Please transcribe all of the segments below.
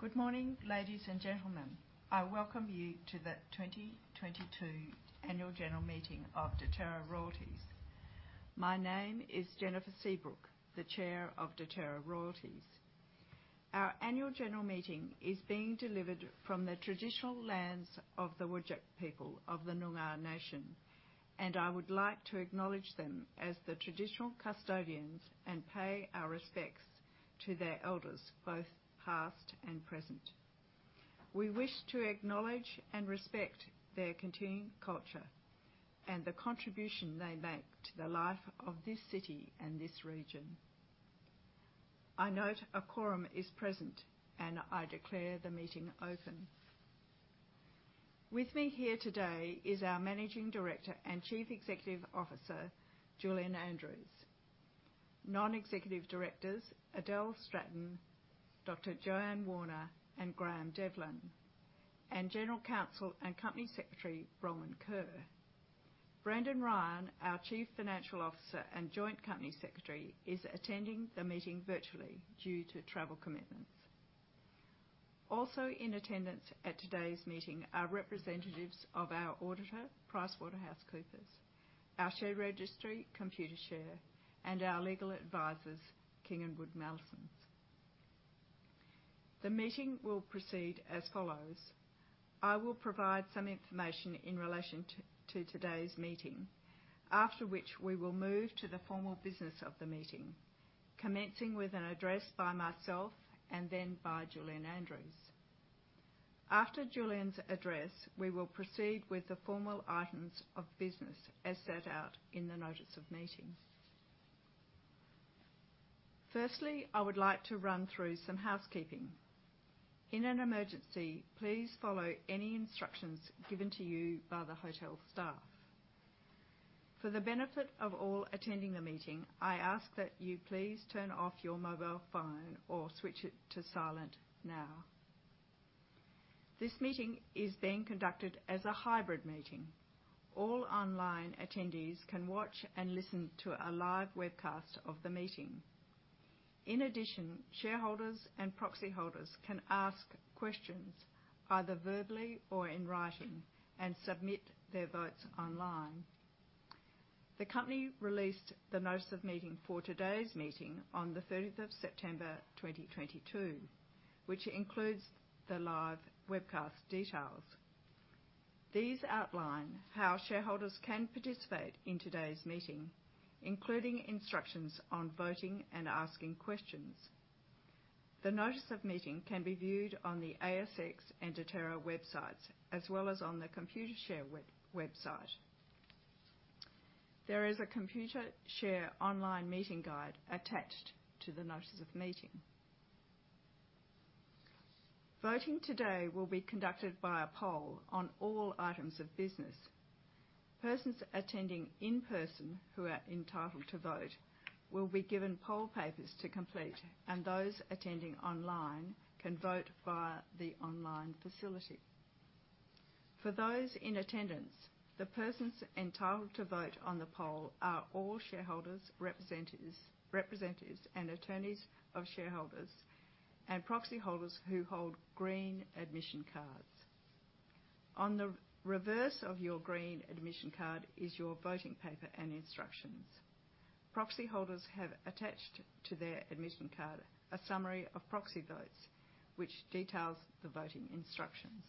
Good morning, ladies and gentlemen. I welcome you to the 2022 Annual General Meeting of Deterra Royalties. My name is Jennifer Seabrook, the chair of Deterra Royalties. Our Annual General Meeting is being delivered from the traditional lands of the Whadjuk people of the Noongar nation, and I would like to acknowledge them as the traditional custodians and pay our respects to their elders, both past and present. We wish to acknowledge and respect their continuing culture and the contribution they make to the life of this city and this region. I note a quorum is present, and I declare the meeting open. With me here today is our Managing Director and Chief Executive Officer, Julian Andrews. Non-executive directors Adele Stratton, Dr. Joanne Warner and Graeme Devlin, and General Counsel and Company Secretary, Bronwyn Kerr. Brendan Ryan, our Chief Financial Officer and Joint Company Secretary, is attending the meeting virtually due to travel commitments. Also in attendance at today's meeting are representatives of our auditor, PricewaterhouseCoopers, our share registry, Computershare, and our legal advisors, King & Wood Mallesons. The meeting will proceed as follows. I will provide some information in relation to today's meeting, after which we will move to the formal business of the meeting, commencing with an address by myself and then by Julian Andrews. After Julian's address, we will proceed with the formal items of business as set out in the notice of meeting. Firstly, I would like to run through some housekeeping. In an emergency, please follow any instructions given to you by the hotel staff. For the benefit of all attending the meeting, I ask that you please turn off your mobile phone or switch it to silent now. This meeting is being conducted as a hybrid meeting. All online attendees can watch and listen to a live webcast of the meeting. In addition, shareholders and proxyholders can ask questions either verbally or in writing and submit their votes online. The company released the notice of meeting for today's meeting on the thirteenth of September 2022, which includes the live webcast details. These outline how shareholders can participate in today's meeting, including instructions on voting and asking questions. The notice of meeting can be viewed on the ASX and Deterra websites, as well as on the Computershare website. There is a Computershare online meeting guide attached to the notice of meeting. Voting today will be conducted by a poll on all items of business. Persons attending in person who are entitled to vote will be given poll papers to complete, and those attending online can vote via the online facility. For those in attendance, the persons entitled to vote on the poll are all shareholders, representatives, and attorneys of shareholders and proxyholders who hold green admission cards. On the reverse of your green admission card is your voting paper and instructions. Proxyholders have attached to their admission card a summary of proxy votes which details the voting instructions.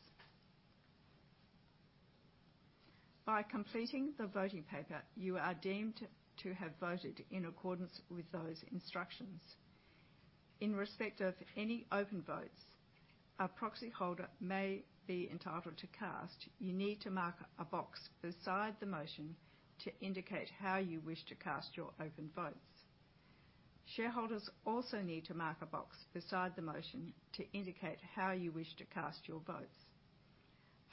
By completing the voting paper, you are deemed to have voted in accordance with those instructions. In respect of any open votes a proxyholder may be entitled to cast, you need to mark a box beside the motion to indicate how you wish to cast your open votes. Shareholders also need to mark a box beside the motion to indicate how you wish to cast your votes.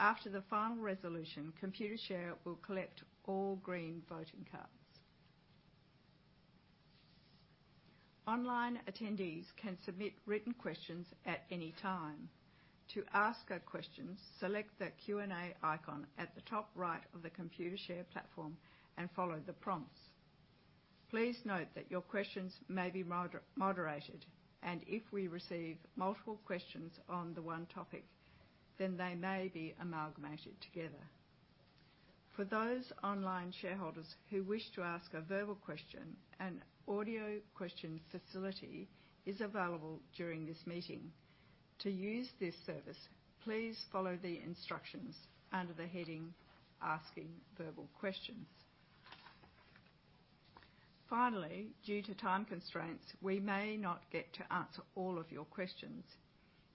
After the final resolution, Computershare will collect all green voting cards. Online attendees can submit written questions at any time. To ask a question, select the Q&A icon at the top right of the Computershare platform and follow the prompts. Please note that your questions may be moderated, and if we receive multiple questions on the one topic, then they may be amalgamated together. For those online shareholders who wish to ask a verbal question, an audio question facility is available during this meeting. To use this service, please follow the instructions under the heading Asking Verbal Questions. Finally, due to time constraints, we may not get to answer all of your questions.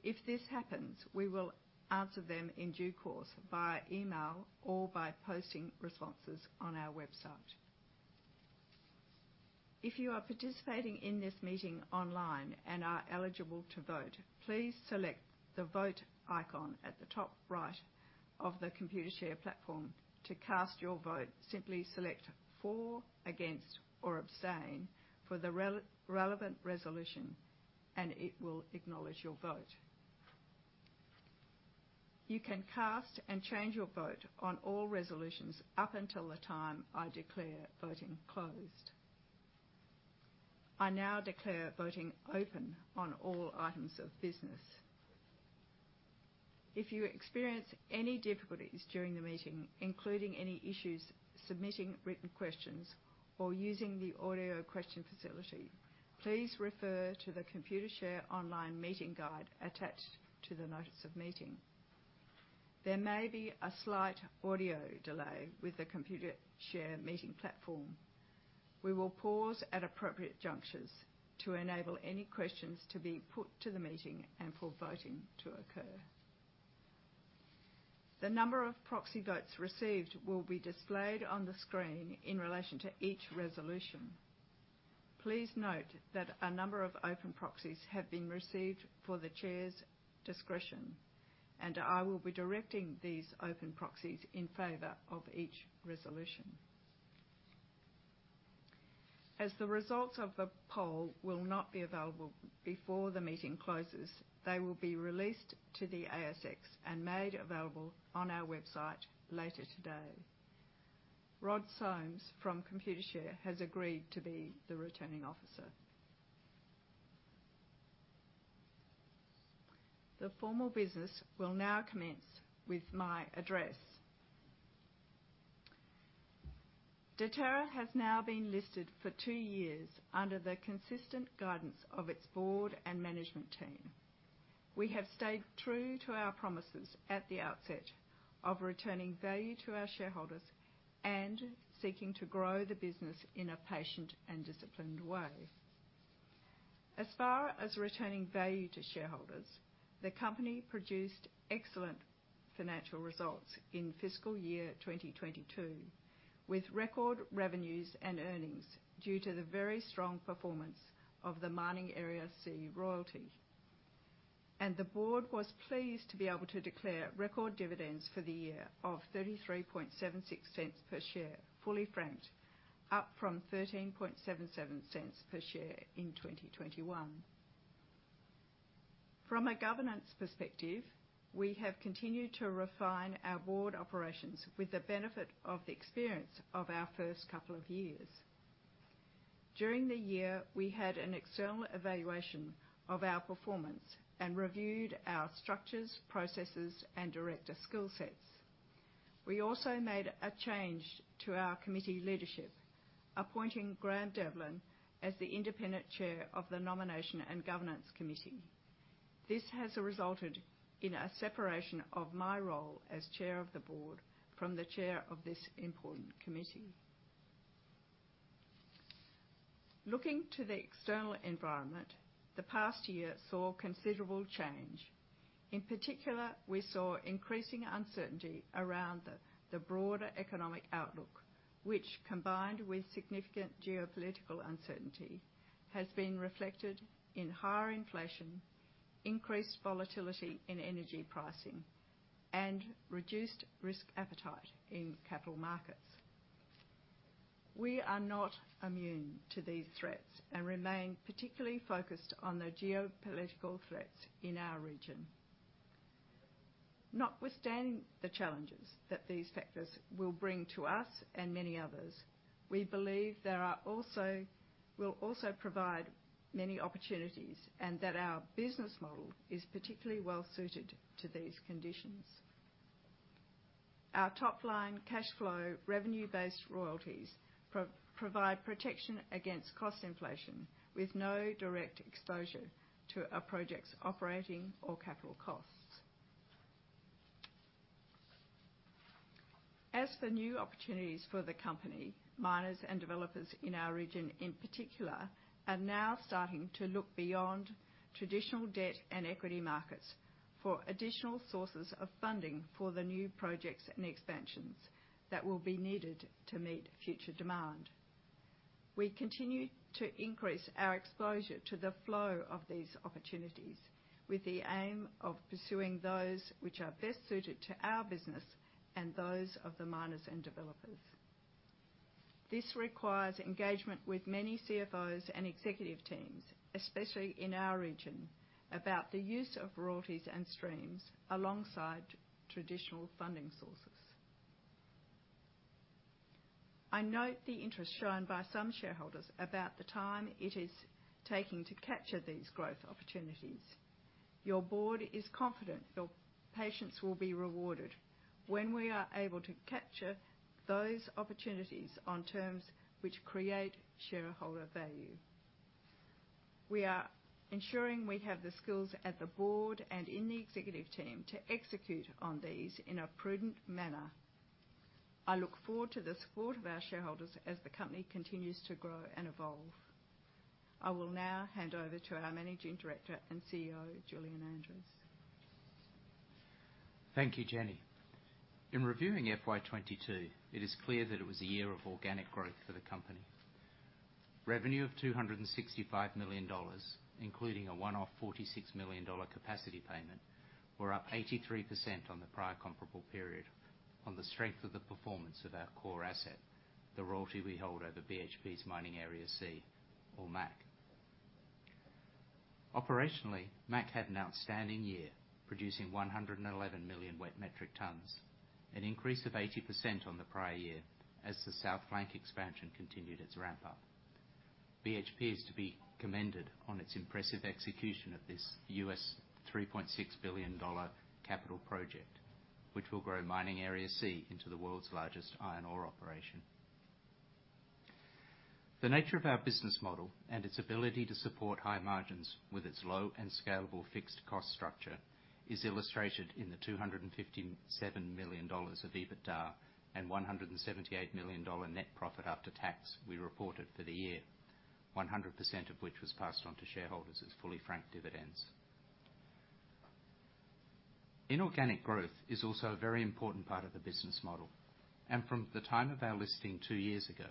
If this happens, we will answer them in due course via email or by posting responses on our website. If you are participating in this meeting online and are eligible to vote, please select the Vote icon at the top right of the Computershare platform. To cast your vote, simply select For, Against, or Abstain for the relevant resolution, and it will acknowledge your vote. You can cast and change your vote on all resolutions up until the time I declare voting closed. I now declare voting open on all items of business. If you experience any difficulties during the meeting, including any issues submitting written questions or using the audio question facility, please refer to the Computershare online meeting guide attached to the notice of meeting. There may be a slight audio delay with the Computershare meeting platform. We will pause at appropriate junctures to enable any questions to be put to the meeting and for voting to occur. The number of proxy votes received will be displayed on the screen in relation to each resolution. Please note that a number of open proxies have been received for the chair's discretion, and I will be directing these open proxies in favor of each resolution. As the results of the poll will not be available before the meeting closes, they will be released to the ASX and made available on our website later today. Rod Somes from Computershare has agreed to be the returning officer. The formal business will now commence with my address. Deterra has now been listed for two years under the consistent guidance of its board and management team. We have stayed true to our promises at the outset of returning value to our shareholders and seeking to grow the business in a patient and disciplined way. As far as returning value to shareholders, the company produced excellent financial results in fiscal year 2022, with record revenues and earnings due to the very strong performance of the Mining Area C royalty. The Board was pleased to be able to declare record dividends for the year of 0.3376 per share, fully franked, up from 0.1377 per share in 2021. From a governance perspective, we have continued to refine our board operations with the benefit of the experience of our first couple of years. During the year, we had an external evaluation of our performance and reviewed our structures, processes, and director skill sets. We also made a change to our committee leadership, appointing Graeme Devlin as the independent chair of the Nomination and Governance Committee. This has resulted in a separation of my role as chair of the board from the chair of this important committee. Looking to the external environment, the past year saw considerable change. In particular, we saw increasing uncertainty around the broader economic outlook, which, combined with significant geopolitical uncertainty, has been reflected in higher inflation, increased volatility in energy pricing, and reduced risk appetite in capital markets. We are not immune to these threats and remain particularly focused on the geopolitical threats in our region. Notwithstanding the challenges that these factors will bring to us and many others, we believe will also provide many opportunities and that our business model is particularly well suited to these conditions. Our top-line cash flow revenue-based royalties provide protection against cost inflation with no direct exposure to our projects' operating or capital costs. As for new opportunities for the company, miners and developers in our region, in particular, are now starting to look beyond traditional debt and equity markets for additional sources of funding for the new projects and expansions that will be needed to meet future demand. We continue to increase our exposure to the flow of these opportunities with the aim of pursuing those which are best suited to our business and those of the miners and developers. This requires engagement with many CFOs and executive teams, especially in our region, about the use of royalties and streams alongside traditional funding sources. I note the interest shown by some shareholders about the time it is taking to capture these growth opportunities. Your board is confident your patience will be rewarded when we are able to capture those opportunities on terms which create shareholder value. We are ensuring we have the skills at the board and in the executive team to execute on these in a prudent manner. I look forward to the support of our shareholders as the company continues to grow and evolve. I will now hand over to our Managing Director and CEO, Julian Andrews. Thank you, Jenny. In reviewing FY 2022, it is clear that it was a year of organic growth for the company. Revenue of 265 million dollars, including a one-off 46 million dollar capacity payment, was up 83% on the prior comparable period on the strength of the performance of our core asset, the royalty we hold over BHP's Mining Area C, or MAC. Operationally, MAC had an outstanding year, producing 111 million wet metric tonnes, an increase of 80% on the prior year as the South Flank expansion continued its ramp up. BHP is to be commended on its impressive execution of this $3.6 billion capital project, which will grow Mining Area C into the world's largest iron ore operation. The nature of our business model and its ability to support high margins with its low and scalable fixed cost structure is illustrated in the 257 million dollars of EBITDA and 178 million dollar net profit after tax we reported for the year. 100% of which was passed on to shareholders as fully franked dividends. Inorganic growth is also a very important part of the business model, and from the time of our listing two years ago,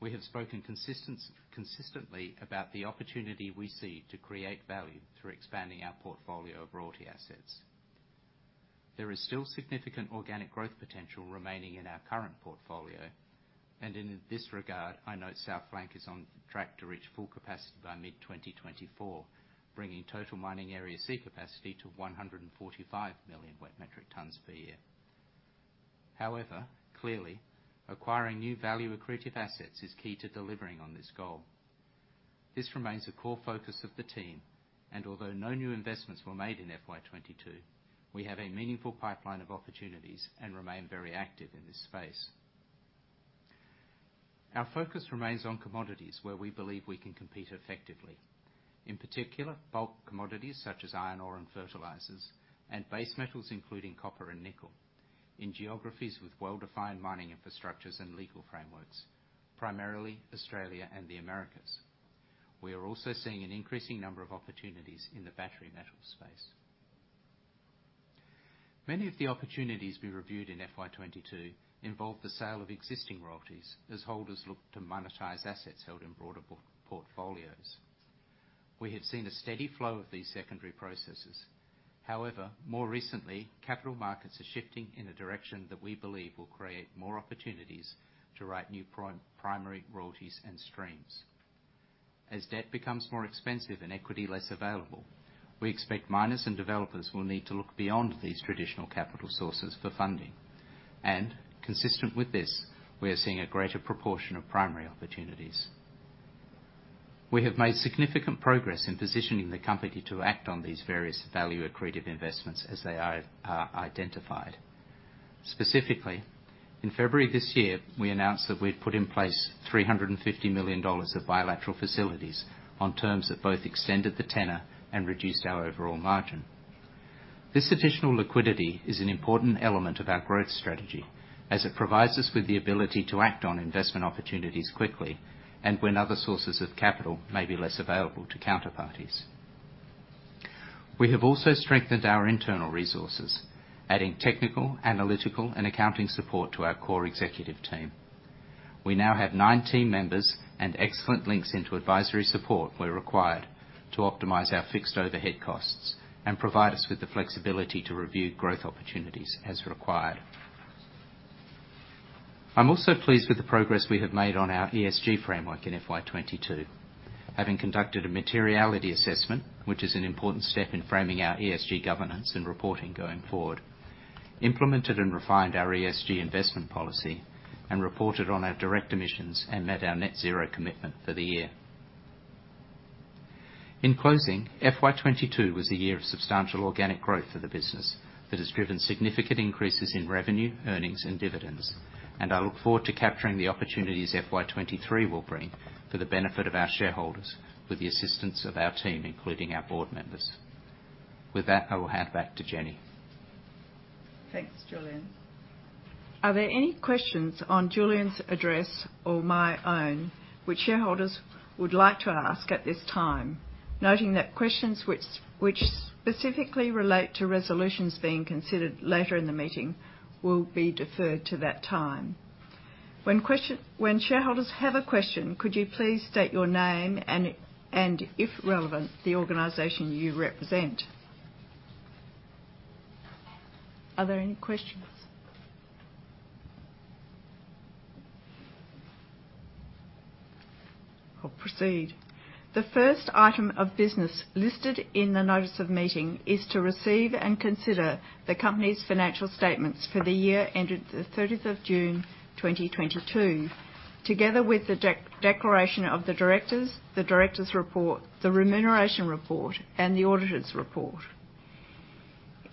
we have spoken consistently about the opportunity we see to create value through expanding our portfolio of royalty assets. There is still significant organic growth potential remaining in our current portfolio, and in this regard, I note South Flank is on track to reach full capacity by mid-2024, bringing total Mining Area C capacity to 145 million wet metric tonnes per year. However, clearly, acquiring new value accretive assets is key to delivering on this goal. This remains a core focus of the team, and although no new investments were made in FY 2022, we have a meaningful pipeline of opportunities and remain very active in this space. Our focus remains on commodities where we believe we can compete effectively. In particular, bulk commodities such as iron ore and fertilizers and base metals, including copper and nickel, in geographies with well-defined mining infrastructures and legal frameworks, primarily Australia and the Americas. We are also seeing an increasing number of opportunities in the battery metal space. Many of the opportunities we reviewed in FY 2022 involved the sale of existing royalties as holders look to monetize assets held in broader portfolios. We have seen a steady flow of these secondary processes. However, more recently, capital markets are shifting in a direction that we believe will create more opportunities to write new primary royalties and streams. As debt becomes more expensive and equity less available, we expect miners and developers will need to look beyond these traditional capital sources for funding. Consistent with this, we are seeing a greater proportion of primary opportunities. We have made significant progress in positioning the company to act on these various value accretive investments as they are identified. Specifically, in February this year, we announced that we'd put in place 350 million dollars of bilateral facilities on terms that both extended the tenor and reduced our overall margin. This additional liquidity is an important element of our growth strategy as it provides us with the ability to act on investment opportunities quickly and when other sources of capital may be less available to counterparties. We have also strengthened our internal resources, adding technical, analytical, and accounting support to our core executive team. We now have nine team members and excellent links into advisory support where required to optimize our fixed overhead costs and provide us with the flexibility to review growth opportunities as required. I'm also pleased with the progress we have made on our ESG framework in FY 2022. Having conducted a materiality assessment, which is an important step in framing our ESG governance and reporting going forward, implemented and refined our ESG investment policy, and reported on our direct emissions and met our net zero commitment for the year. In closing, FY 2022 was a year of substantial organic growth for the business that has driven significant increases in revenue, earnings, and dividends. I look forward to capturing the opportunities FY 2023 will bring for the benefit of our shareholders with the assistance of our team, including our board members. With that, I will hand back to Jenny. Thanks, Julian. Are there any questions on Julian's address or my own which shareholders would like to ask at this time? Noting that questions which specifically relate to resolutions being considered later in the meeting will be deferred to that time. When shareholders have a question, could you please state your name and if relevant, the organization you represent. Are there any questions? I'll proceed. The first item of business listed in the notice of meeting is to receive and consider the company's financial statements for the year ended the 30th of June 2022, together with the declaration of the directors, the directors' report, the remuneration report, and the auditor's report.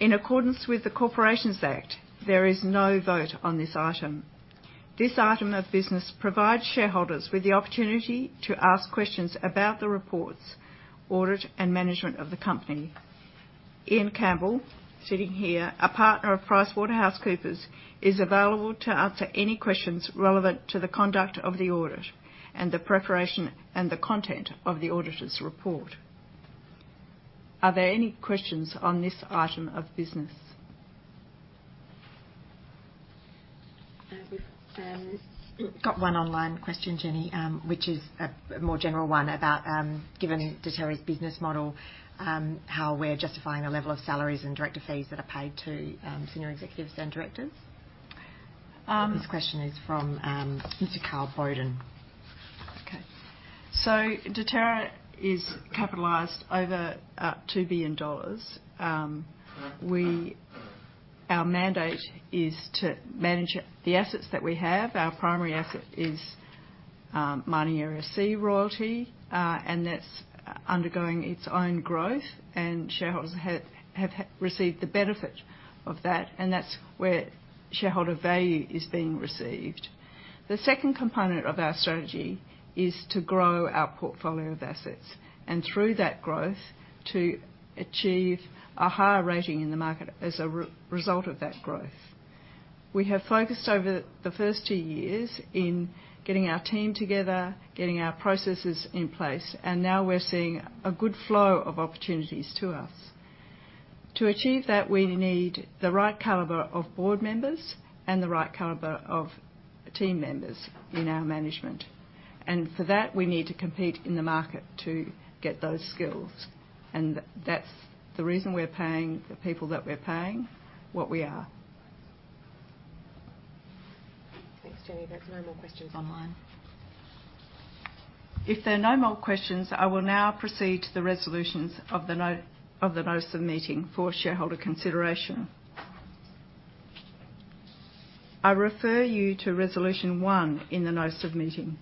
In accordance with the Corporations Act, there is no vote on this item. This item of business provides shareholders with the opportunity to ask questions about the reports, audit, and management of the company. Ian Campbell, sitting here, a Partner of PricewaterhouseCoopers, is available to answer any questions relevant to the conduct of the audit and the preparation and the content of the auditor's report. Are there any questions on this item of business? We've got one online question, Jenny, which is a more general one about given Deterra's business model, how we're justifying the level of salaries and director fees that are paid to senior executives and directors. This question is from Mr. Carl Bowden. Deterra is capitalized over 2 billion dollars. Our mandate is to manage the assets that we have. Our primary asset is Mining Area C royalty, and that's undergoing its own growth, and shareholders have received the benefit of that, and that's where shareholder value is being received. The second component of our strategy is to grow our portfolio of assets, and through that growth, to achieve a higher rating in the market as a result of that growth. We have focused over the first two years in getting our team together, getting our processes in place, and now we're seeing a good flow of opportunities to us. To achieve that, we need the right caliber of board members and the right caliber of team members in our management. For that, we need to compete in the market to get those skills. That's the reason we're paying the people that we're paying what we are. Thanks, Jenny. There's no more questions online. If there are no more questions, I will now proceed to the resolutions of the notice of meeting for shareholder consideration. I refer you to resolution 1 in the notice of meeting,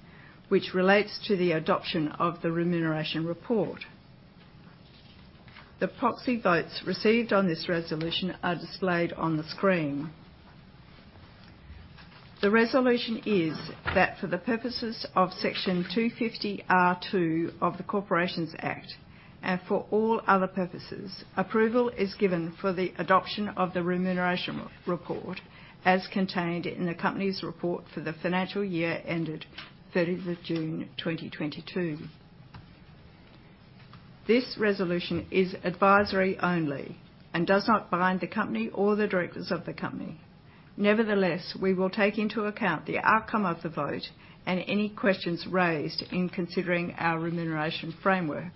which relates to the adoption of the remuneration report. The proxy votes received on this resolution are displayed on the screen. The resolution is that for the purposes of Section 250R(2) of the Corporations Act, and for all other purposes, approval is given for the adoption of the remuneration report as contained in the company's report for the financial year ended thirtieth of June 2022. This resolution is advisory only and does not bind the company or the directors of the company. Nevertheless, we will take into account the outcome of the vote and any questions raised in considering our remuneration framework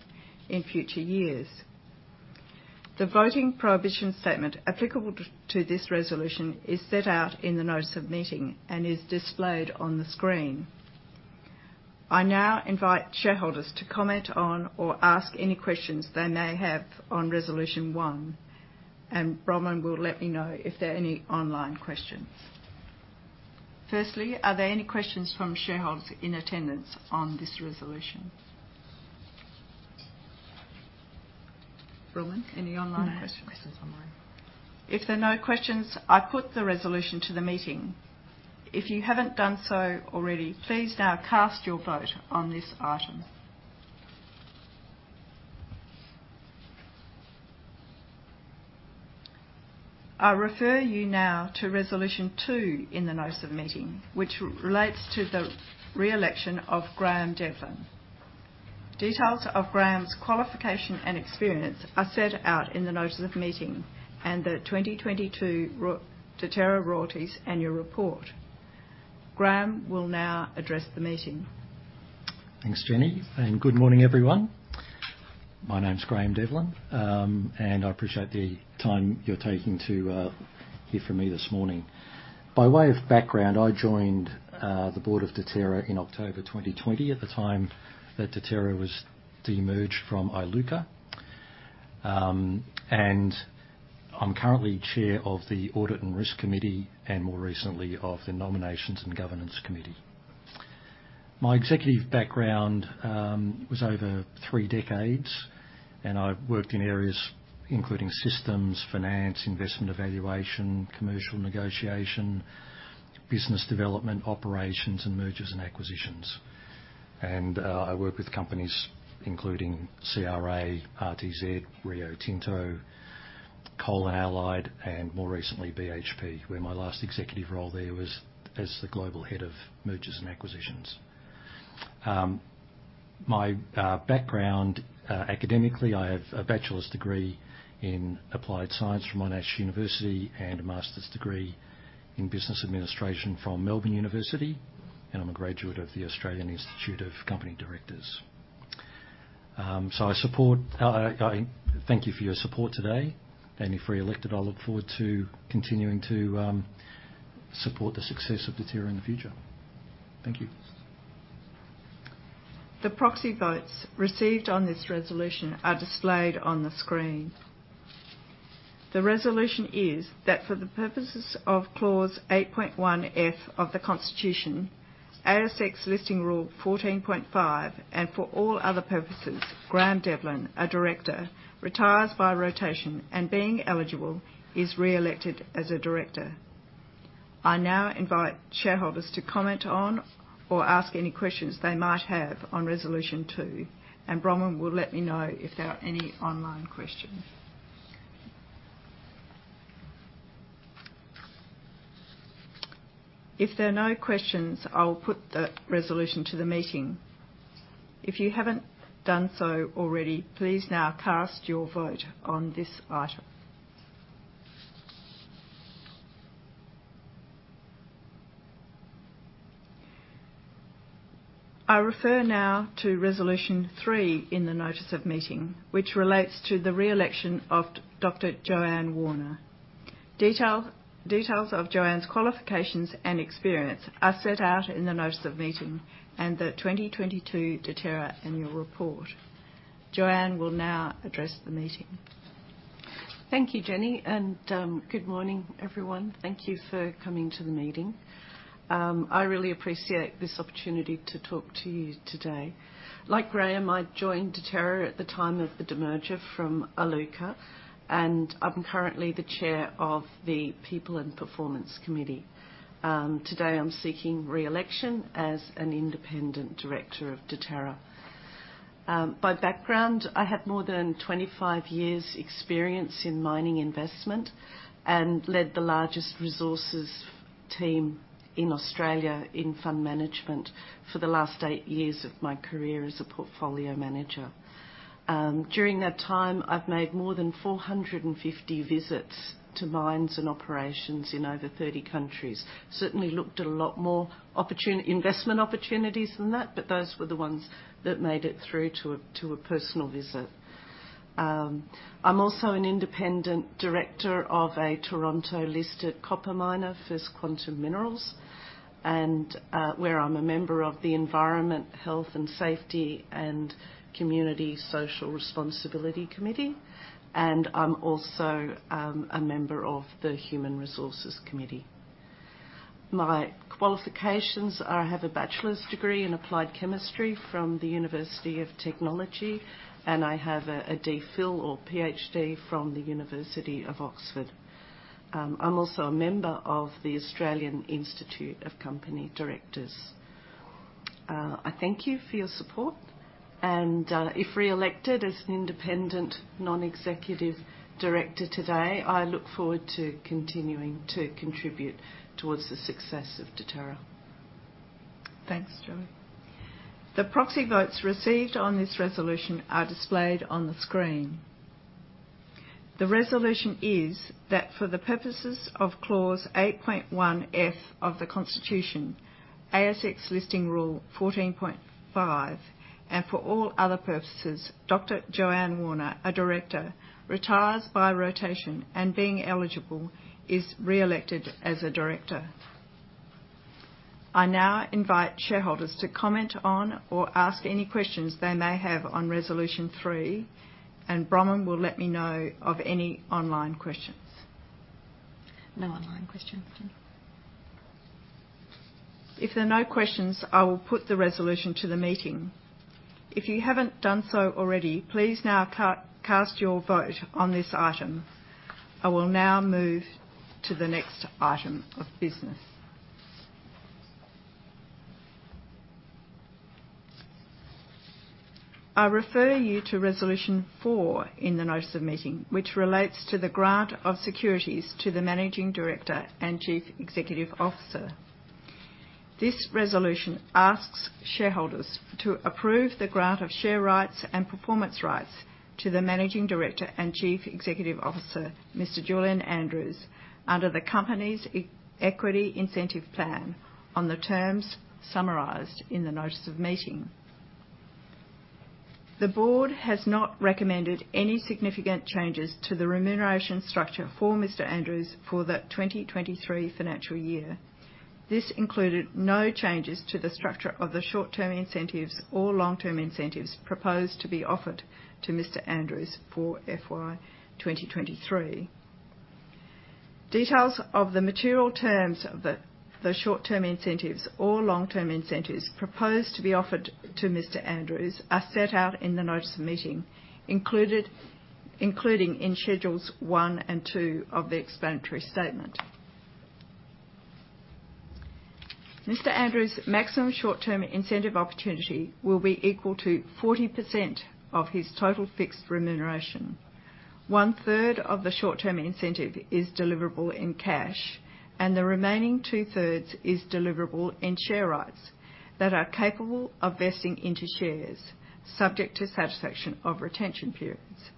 in future years. The voting prohibition statement applicable to this resolution is set out in the notice of meeting and is displayed on the screen. I now invite shareholders to comment on or ask any questions they may have on resolution one, and Bronwyn will let me know if there are any online questions. Firstly, are there any questions from shareholders in attendance on this resolution? Bronwyn, any online questions? No questions online. If there are no questions, I put the resolution to the meeting. If you haven't done so already, please now cast your vote on this item. I refer you now to resolution two in the notice of meeting, which relates to the re-election of Graeme Devlin. Details of Graeme's qualification and experience are set out in the notice of meeting and the 2022 Deterra Royalties Annual Report. Graeme will now address the meeting. Thanks, Jenny, and good morning, everyone. My name's Graeme Devlin, and I appreciate the time you're taking to hear from me this morning. By way of background, I joined the board of Deterra in October 2020, at the time that Deterra was demerged from Iluka. I'm currently chair of the Audit and Risk Committee and more recently of the Nomination and Governance Committee. My executive background was over three decades, and I've worked in areas including systems, finance, investment evaluation, commercial negotiation, business development, operations, and mergers and acquisitions. I work with companies including CRA, RTZ, Rio Tinto, Coal & Allied, and more recently, BHP, where my last executive role there was as the Global Head of Mergers and Acquisitions. My background academically, I have a bachelor's degree in applied science from Monash University and a master's degree in business administration from University of Melbourne, and I'm a graduate of the Australian Institute of Company Directors. So I support, I thank you for your support today. If re-elected, I look forward to continuing to support the success of Deterra in the future. Thank you. The proxy votes received on this resolution are displayed on the screen. The resolution is that for the purposes of Clause 8.1(f) of the Constitution, ASX Listing Rule 14.5, and for all other purposes, Graeme Devlin, a director, retires by rotation, and being eligible, is re-elected as a director. I now invite shareholders to comment on or ask any questions they might have on resolution two, and Bronwyn will let me know if there are any online questions. If there are no questions, I will put the resolution to the meeting. If you haven't done so already, please now cast your vote on this item. I refer now to resolution three in the notice of meeting, which relates to the re-election of Dr. Joanne Warner. Details of Joanne's qualifications and experience are set out in the notice of meeting and the 2022 Deterra Annual Report. Joanne will now address the meeting. Thank you, Jenny, and good morning, everyone. Thank you for coming to the meeting. I really appreciate this opportunity to talk to you today. Like Graeme, I joined Deterra at the time of the demerger from Iluka, and I'm currently the chair of the People and Performance Committee. Today, I'm seeking re-election as an independent director of Deterra. By background, I have more than 25 years’ experience in mining investment and led the largest resources team in Australia in fund management for the last eight years of my career as a portfolio manager. During that time, I've made more than 450 visits to mines and operations in over 30 countries. Certainly looked at a lot more investment opportunities than that, but those were the ones that made it through to a personal visit. I'm also an independent director of a Toronto-listed copper miner, First Quantum Minerals, and where I'm a member of the Environment, Health and Safety and Community Social Responsibility Committee, and I'm also a member of the Human Resources Committee. My qualifications are, I have a bachelor's degree in applied chemistry from the University of Technology, and I have a DPhil or PhD from the University of Oxford. I'm also a member of the Australian Institute of Company Directors. I thank you for your support, and if re-elected as an independent, non-executive director today, I look forward to continuing to contribute towards the success of Deterra. Thanks, Joey. The proxy votes received on this resolution are displayed on the screen. The resolution is that for the purposes of Clause 8.1(f) of the Constitution, ASX Listing Rule 14.5, and for all other purposes, Dr. Joanne Warner, a director, retires by rotation and being eligible, is re-elected as a director. I now invite shareholders to comment on or ask any questions they may have on resolution three, and Bronwyn will let me know of any online questions. No online questions. If there are no questions, I will put the resolution to the meeting. If you haven't done so already, please now cast your vote on this item. I will now move to the next item of business. I refer you to resolution 4 in the notice of meeting, which relates to the grant of securities to the Managing Director and Chief Executive Officer. This resolution asks shareholders to approve the grant of share rights and performance rights to the Managing Director and Chief Executive Officer, Mr. Julian Andrews, under the company's Equity Incentive Plan on the terms summarized in the notice of meeting. The Board has not recommended any significant changes to the remuneration structure for Mr. Andrews for the 2023 financial year. This included no changes to the structure of the short-term incentives or long-term incentives proposed to be offered to Mr. Andrews for FY 2023. Details of the material terms of the short-term incentives or long-term incentives proposed to be offered to Mr. Andrews are set out in the notice of meeting, including in Schedules 1 and 2 of the explanatory statement. Mr. Andrews's maximum short-term incentive opportunity will be equal to 40% of his total fixed remuneration. One-third of the short-term incentive is deliverable in cash, and the remaining 2/3 is deliverable in share rights that are capable of vesting into shares, subject to satisfaction of retention periods.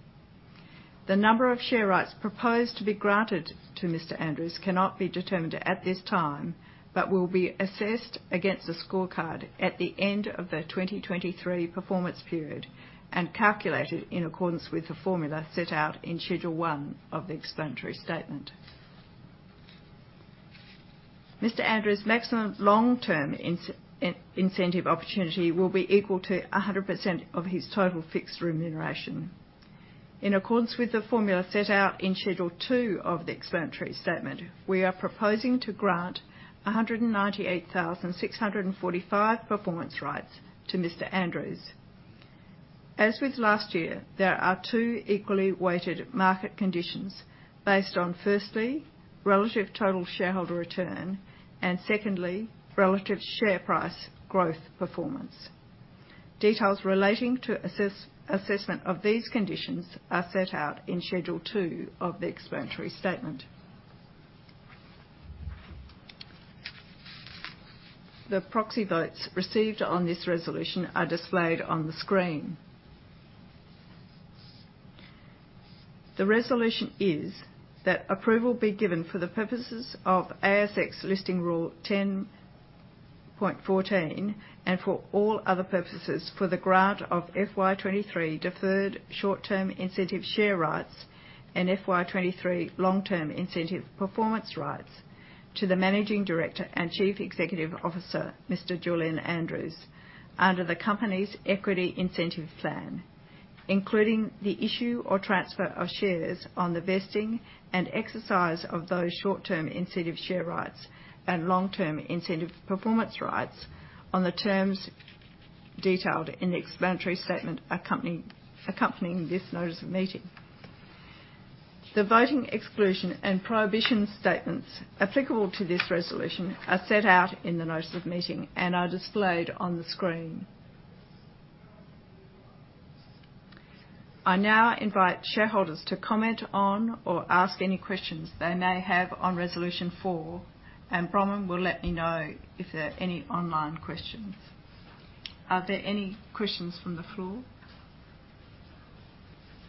The number of share rights proposed to be granted to Mr. Andrews cannot be determined at this time, but will be assessed against the scorecard at the end of the 2023 performance period and calculated in accordance with the formula set out in Schedule 1 of the explanatory statement. Mr. Andrews's maximum long-term incentive opportunity will be equal to 100% of his total fixed remuneration. In accordance with the formula set out in Schedule 2 of the explanatory statement, we are proposing to grant 198,645 performance rights to Mr. Andrews. As with last year, there are two equally weighted market conditions based on, firstly, relative total shareholder return, and secondly, relative share price growth performance. Details relating to assessment of these conditions are set out in Schedule 2 of the explanatory statement. The proxy votes received on this resolution are displayed on the screen. The resolution is that approval be given for the purposes of ASX Listing Rule 10.14, and for all other purposes for the grant of FY 2023 deferred short-term incentive share rights and FY 2023 long-term incentive performance rights to the Managing Director and Chief Executive Officer, Mr. Julian Andrews, under the company's Equity Incentive Plan, including the issue or transfer of shares on the vesting and exercise of those short-term incentive share rights and long-term incentive performance rights on the terms detailed in the explanatory statement accompanying this notice of meeting. The voting exclusion and prohibition statements applicable to this resolution are set out in the notice of meeting and are displayed on the screen. I now invite shareholders to comment on or ask any questions they may have on resolution four, and Bronwyn will let me know if there are any online questions. Are there any questions from the floor?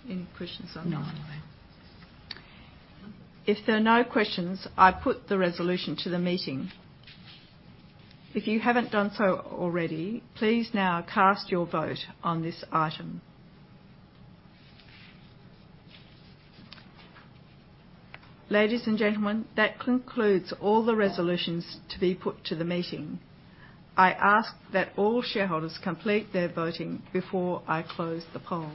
Any questions online? No. If there are no questions, I put the resolution to the meeting. If you haven't done so already, please now cast your vote on this item. Ladies and gentlemen, that concludes all the resolutions to be put to the meeting. I ask that all shareholders complete their voting before I close the poll.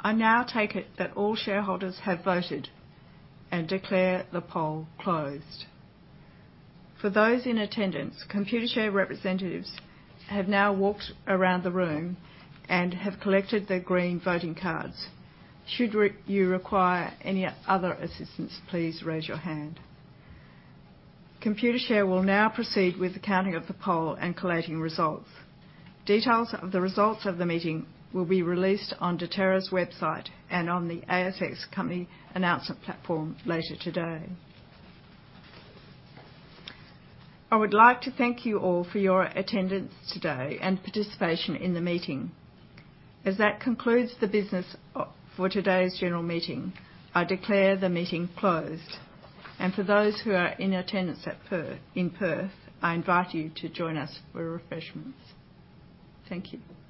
Thank you. I now take it that all shareholders have voted and declare the poll closed. For those in attendance, Computershare representatives have now walked around the room and have collected the green voting cards. Should you require any other assistance, please raise your hand. Computershare will now proceed with the counting of the poll and collating results. Details of the results of the meeting will be released on Deterra's website and on the ASX company announcement platform later today. I would like to thank you all for your attendance today and participation in the meeting. As that concludes the business for today's general meeting, I declare the meeting closed. For those who are in attendance in Perth, I invite you to join us for refreshments. Thank you.